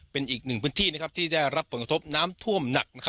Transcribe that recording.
เป็นอีกหนึ่งพื้นที่ที่ได้รับผลกระทบน้ำท่วมหนัก